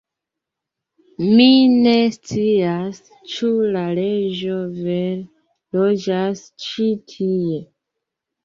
Mi ne scias ĉu la reĝo vere loĝas ĉi tie